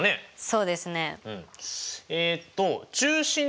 そうですね。